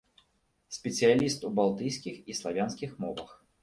Спецыяліст у балтыйскіх і славянскіх мовах.